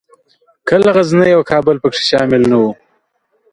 کله غزني او کابل پکښې شامل نه وو.